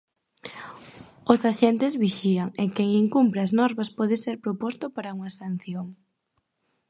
Os axentes vixían e quen incumpra as normas pode ser proposto para unha sanción.